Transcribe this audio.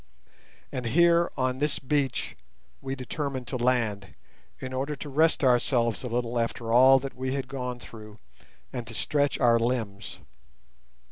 And here, on this beach, we determined to land, in order to rest ourselves a little after all that we had gone through and to stretch our limbs.